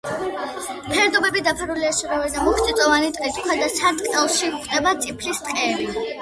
ფერდობები დაფარულია შერეული და მუქწიწვოვანი ტყით, ქვედა სარტყელში გვხვდება წიფლის ტყეები.